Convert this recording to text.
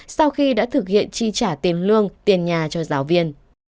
sau khi đã thực hiện chi trả tiền lương tiền nhà cho giáo viên